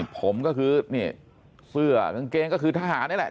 ผมก็คือนี่เสื้อกางเกงก็คือทหารนี่แหละ